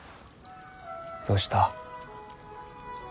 どうした。